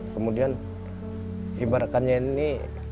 kemudian ibaratannya ini